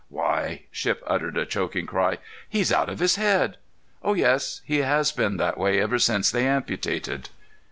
"Why"—Shipp uttered a choking cry—"he's out of his head!" "Oh yes; he has been that way ever since they amputated."